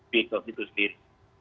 begitu begitu sendiri